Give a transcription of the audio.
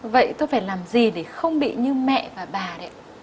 vậy tôi phải làm gì để không bị như mẹ và bà đấy